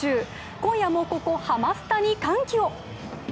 今夜もここ、ハマスタに歓喜を。